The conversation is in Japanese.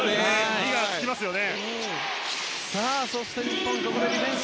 火が付きますよね。